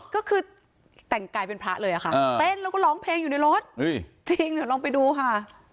ก็คือแต่งกายเป็นพระเลยค่ะเต้นแล้วก็ร้องเพลงอยู่ในรถจริงเดี๋ยวลองไปดูค่ะ